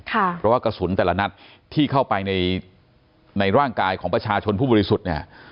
เพราะว่ากระสุนแต่ละนัดที่เข้าไปในร่างกายของประชาชนผู้บริสุทธิ์เนี่ย